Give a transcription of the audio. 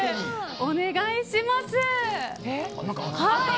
お願いします。